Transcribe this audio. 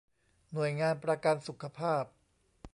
หน่วยงานประกันสุขภาพ